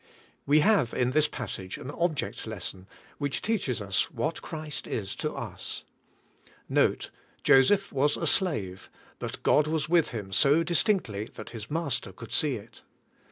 WE have in this passage an object, lesson which teaches us what Christ is to us. Note : Joseph was a slave, but God was with him so distinctly that his master could see it.